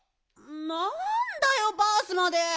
なんだよバースまで。